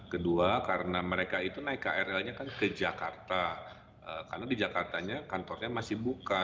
kedua karena mereka itu naik krl nya kan ke jakarta karena di jakartanya kantornya masih buka